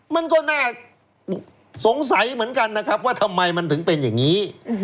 มันก็น่าสงสัยเหมือนกันนะครับว่าทำไมมันถึงเป็นอย่างนี้